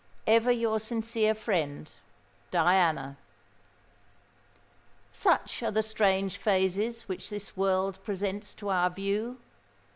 "Ever your sincere friend, "DIANA." Such are the strange phases which this world presents to our view!